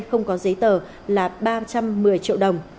không có giấy tờ là ba trăm một mươi triệu đồng